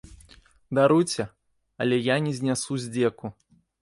Даруйце, але я не знясу здзеку.